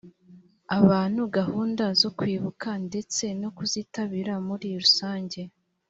abantu gahunda zo kwibuka ndetse no kuzitabira muri rusange